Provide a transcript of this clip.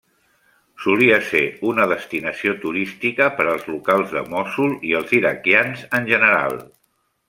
Solia ser una destinació turística per als locals de Mossul i els iraquians en general.